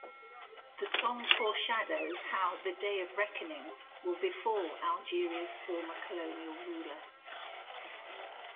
The song foreshadows how "the day of reckoning" will befall Algeria's former colonial ruler.